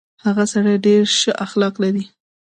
هغه سړی ډېر شه اخلاق لري.